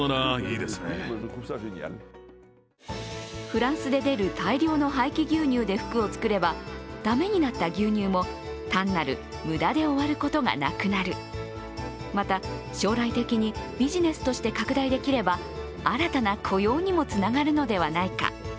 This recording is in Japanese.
フランスで出る大量の廃棄牛乳で服を作ればだめになった牛乳も単なる無駄で終わることはなくなる、また、将来的にビジネスとして拡大できれば新たな雇用にもつながるのではないか。